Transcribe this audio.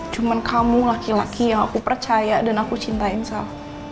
cuman kamu laki laki yang aku percaya dan aku cintain sal